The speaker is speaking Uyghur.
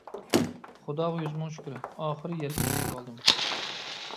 خۇداغا يۈز مىڭ شۈكرى، ئاخىر يەرگە چۈشىۋالدىم.